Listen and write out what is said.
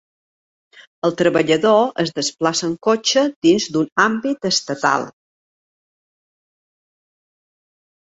El treballador es desplaça en cotxe dins d'un àmbit estatal.